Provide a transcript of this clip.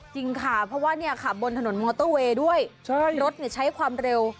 จริงค่ะเพราะว่าเนี่ยขับบนถนนมอเตอร์เวย์ด้วยรถใช้ความเร็ว